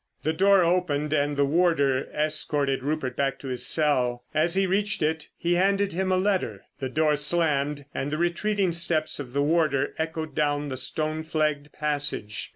The door opened, and the warder escorted Rupert back to his cell. As he reached it, he handed him a letter. The door slammed, and the retreating steps of the warder echoed down the stone flagged passage.